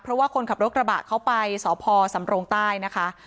เพราะว่าคนขับรถกระบะเขาไปสพสำรงใต้นะคะ